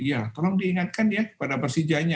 ya tolong diingatkan ya pada persijanya